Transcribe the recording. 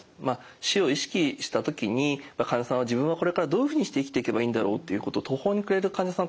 死を意識した時に患者さんは自分はこれからどういうふうにして生きていけばいいんだろうっていうことを途方に暮れる患者さん